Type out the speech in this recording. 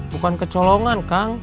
bukan kecolongan kang